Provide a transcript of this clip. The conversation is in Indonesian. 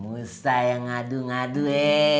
mustah yang ngadu ngadu ee